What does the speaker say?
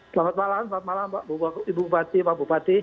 selamat malam selamat malam pak bupati